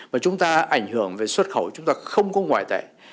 và chúng ta ảnh hưởng về xuất khẩu chúng ta không có ngoại tệ